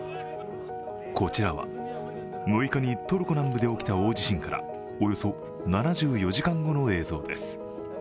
こちらは６日にトルコ南部で起きた大地震からおよそ７４時間後の映像です。